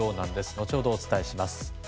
後ほどお伝えします。